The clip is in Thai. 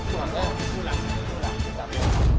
สวัสดีครับ